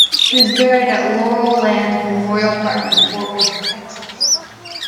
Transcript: He was buried at Laurel Land Memorial Park in Fort Worth, Texas.